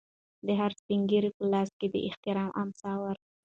د هر سپین ږیري په لاس کې د احترام امسا ورکړئ.